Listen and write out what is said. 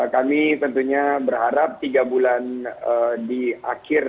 kami tentunya berharap tiga bulan di akhir